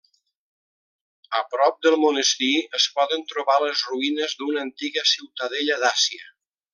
A prop del monestir es poden trobar les ruïnes d'una antiga ciutadella dàcia.